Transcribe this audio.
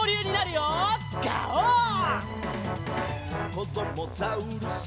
「こどもザウルス